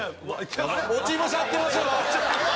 落ち武者ってますよ！